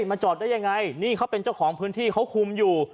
มาจอดได้ยังไงนี่เขาเป็นเจ้าของพื้นที่เขาคุมอยู่